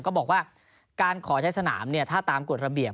ก็บอกว่าการขอใช้สนามเนี่ยถ้าตามกฎระเบียบ